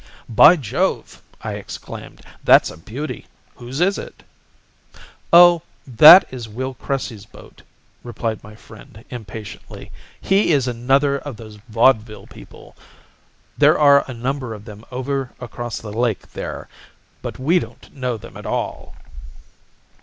"'By Jove!' I exclaimed. 'That's a beauty! Whose is it?' "'Oh, that is Will Cressy's boat,' replied my friend impatiently. 'He is another of those Vaudeville people. There are a number of them over across the lake there, but we don't know them at all.'